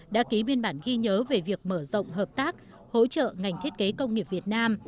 đã ký biên bản ghi nhớ về việc mở rộng hợp tác hỗ trợ ngành thiết kế công nghiệp việt nam